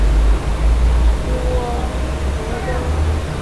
郭荣宗。